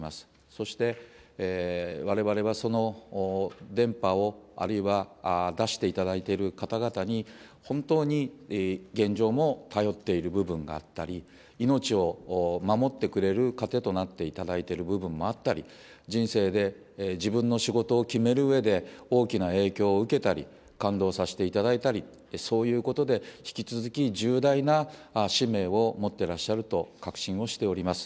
そして、われわれはその電波を、あるいは出していただいている方々に、本当に現状も頼っている部分があったり、命を守ってくれる糧となっていただいている部分もあったり、人生で自分の仕事を決めるうえで大きな影響を受けたり、感動させていただいたり、そういうことで、引き続き重大な使命を持ってらっしゃると確信をしております。